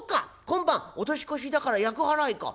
今晩お年越しだから厄払いか。